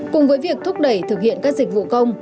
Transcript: cùng với việc thúc đẩy thực hiện các dịch vụ công